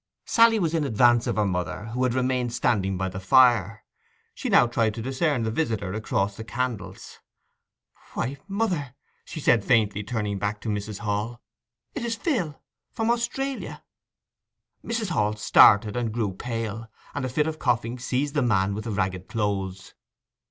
Sally was in advance of her mother, who had remained standing by the fire. She now tried to discern the visitor across the candles. 'Why—mother,' said Sally faintly, turning back to Mrs. Hall. 'It is Phil, from Australia!' Mrs. Hall started, and grew pale, and a fit of coughing seized the man with the ragged clothes.